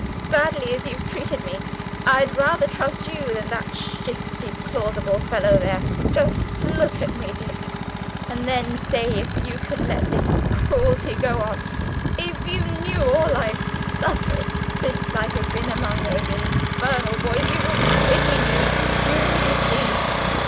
"Badly as you've treated me, I'd rather trust you than that shifty plausible fellow there. Just look at me, Dick, and then say if you can let this cruelty go on. If you knew all I've suffered since I have been among those infernal boys, you would pity me, you would indeed....